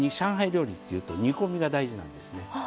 料理っていうと煮込みが大事なんですね。